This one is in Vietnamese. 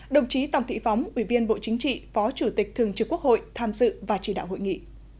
đồng chí tòng thị phóng ủy viên bộ chính trị phó chủ tịch thường trực quốc hội tham dự và chỉ đạo hội nghị